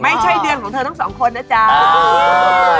ไม่ใช่เดือนของเธอทั้งสองคนนะจ๊ะ